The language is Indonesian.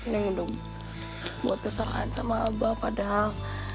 neng udah buat kesalahan sama abah padahal